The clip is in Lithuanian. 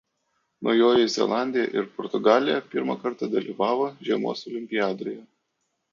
Naujoji Zelandija ir Portugalija pirmą kartą dalyvavo žiemos olimpiadoje.